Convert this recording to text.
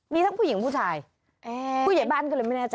มีทั้งผู้หญิงผู้ชายผู้ใหญ่บ้านก็เลยไม่แน่ใจ